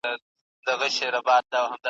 را وتلی په ژوند نه وو له ځنګلونو .